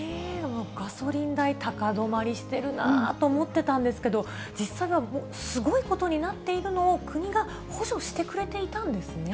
ガソリン代、高止まりしてるなと思ってたんですけど、実際はすごいことになっているのを、国が補助してくれていたんですね。